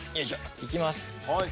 いきます。